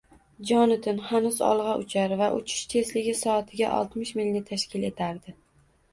— Jonatan hanuz olg‘a uchar va uchish tezligi soatiga oltmish milni tashkil etardi.